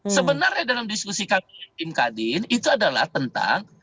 sebenarnya dalam diskusi kami dengan tim kadin itu adalah tentang